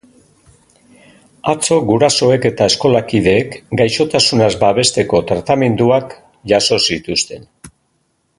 Atzo gurasoek eta eskolakideek gaixotasunaz babesteko tratamenduak jaso zituzten.